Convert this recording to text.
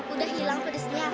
udah hilang pedesnya